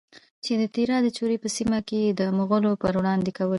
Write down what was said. چې د تیرا د چورې په سیمه کې یې د مغولو پروړاندې کولې؛